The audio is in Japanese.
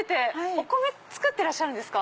お米作ってらっしゃるんですか？